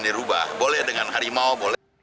dirubah boleh dengan harimau boleh